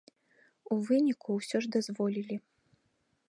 У выніку, усе ж дазволілі.